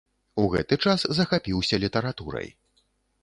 У гэты час захапіўся літаратурай.